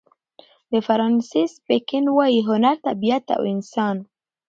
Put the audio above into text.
د فرانسیس بېکن وايي: هنر طبیعت او انسان.